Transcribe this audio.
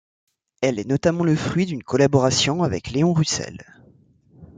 Elle est notamment le fruit d'une collaboration avec Leon Russell.